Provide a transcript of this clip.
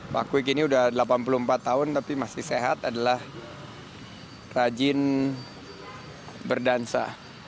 pak kwik ini sudah delapan puluh empat tahun tapi masih sehat adalah rajin berdansa